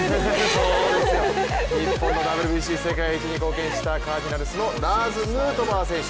そうですよ、日本のＷＢＣ世界一に貢献したカージナルスのヌートバー選手。